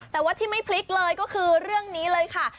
แต่ว่าที่ไม่พลิกเลยก็คือเรื่องนี้เลยค่ะ